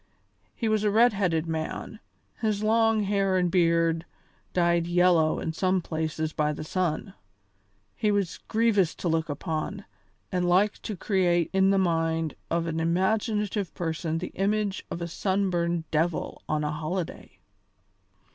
He was a red headed man; his long hair and beard dyed yellow in some places by the sun. He was grievous to look upon, and like to create in the mind of an imaginative person the image of a sun burned devil on a holiday.